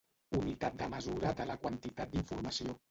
Unitat de mesura de la quantitat d'informació.